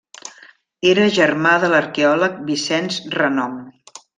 Era germà de l'arqueòleg Vicenç Renom.